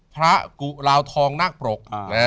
พระกุลาวทองนักปรก